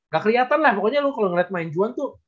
gak keliatan lah pokoknya kalo lo liat main juhan tuh